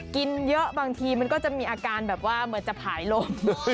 กินเยอะบางทีมันก็จะมีอาการแบบว่าเหมือนจะผายลม